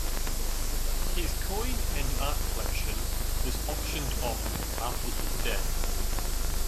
His coin and art collection was auctioned off after his death.